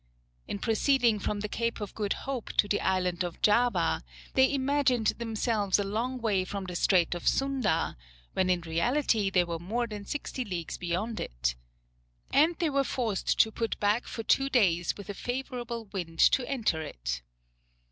In proceeding from the Cape of Good Hope to the island of Java they imagined themselves a long way from the Strait of Sunda, when in reality they were more than sixty leagues beyond it. And they were forced to put back for two days with a favourable wind to enter it.